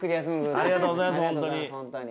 ありがとうございますほんとに。